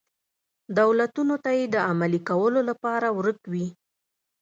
دولتونو ته یې د عملي کولو لپاره ورک وي.